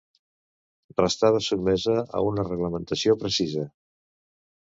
Restava sotmesa a una reglamentació precisa.